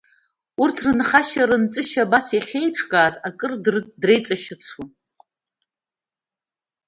Урҭ рынхашьа-рынҵышьа абас иахьеиҿкааз акыр дреиҵашьыцуан.